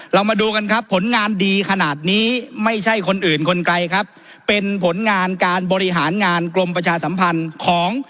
เรามาดูกันครับผลงานดีขนาดนี้ไม่ใช่คนอื่นคนไกลครับเป็นผลงานการบริหารงานกรมประชาสัมพันธ์ของ